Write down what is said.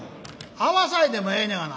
合わさいでもええねやがな」。